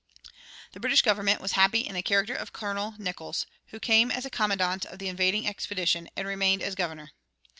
The British government was happy in the character of Colonel Nicolls, who came as commandant of the invading expedition and remained as governor.